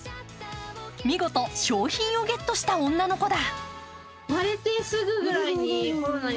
見事、賞品をゲットした女の子だ。